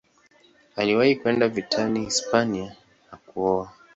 Aliwahi kwenda vitani Hispania na kuoa.